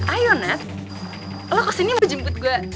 ayo nak lo kesini mau jemput gue